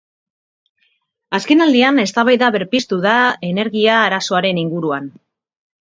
Azkenaldian eztabaida berpiztu da energia-arazoaren inguruan.